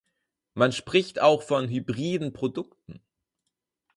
Man spricht auch von hybriden Produkten.